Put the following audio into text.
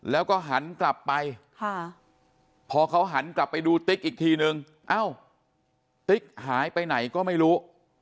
แล้วก็หันกลับไปพอเขาหันกลับไปดูติ๊กอีกทีนึงเอ้าติ๊กหายไปไหนก็ไม่รู้